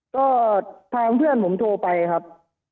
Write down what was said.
เพี่ยงทางด้วยผมโทรไปครับ